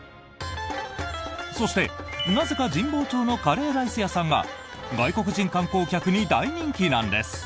そして、なぜか神保町のカレーライス屋さんが外国人観光客に大人気なんです。